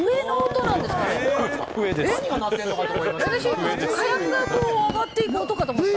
私火薬がこう上がっていく音かと思ってた。